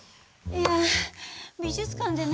いや美術館でね